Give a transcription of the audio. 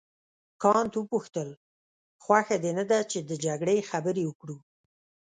کانت وپوښتل خوښه دې نه ده چې د جګړې خبرې وکړو.